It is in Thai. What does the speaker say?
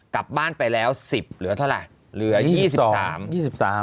กลับบ้านไปแล้ว๑๐เหลือเท่าไร